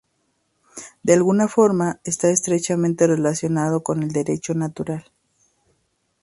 De alguna forma, está estrechamente relacionado con el derecho natural